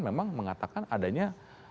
memang mengatakan adanya